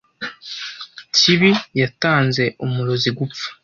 kibi yatanze umurozi gupfa